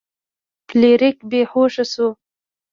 فلیریک بې هوښه شو.